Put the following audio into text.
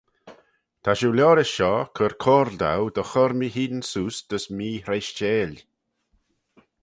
Ta shiu liorish shoh cur coyrle dou dy chur mee-hene seose dys mee-hreishteil.